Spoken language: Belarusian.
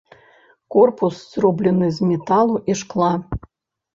Корпус зроблены з металу і шкла.